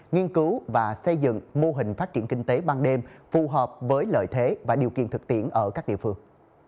nghiên cứu và xây dựng mô hình phát triển kinh tế ban đêm phù hợp với lợi thế và điều kiện thực tiễn ở các địa phương